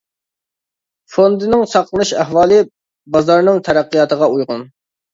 فوندىنىڭ ساقلىنىش ئەھۋالى بازارنىڭ تەرەققىياتىغا ئۇيغۇن.